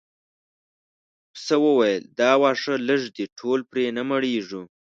پسه وویل دا واښه لږ دي ټول پرې نه مړیږو.